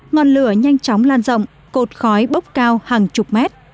ngọn lửa nhanh chóng lan rộng cột khói bốc cao hàng chục mét